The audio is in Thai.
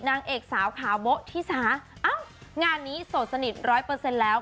นางเอกสาวขาโบ๊ะทิสาเอ้างานนี้โสดสนิทร้อยเปอร์เซ็นต์แล้ว